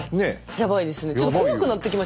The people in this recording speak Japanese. やばいですね。